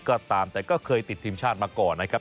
ก็ตามแต่ก็เคยติดทีมชาติมาก่อนนะครับ